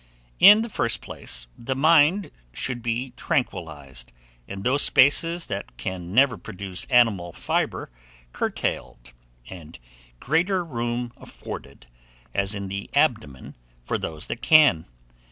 In the first place, the mind should be tranquillized, and those spaces that can never produce animal fibre curtailed, and greater room afforded, as in the abdomen, for those that can.